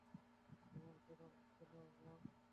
এমন করো কেন, ওয়াং।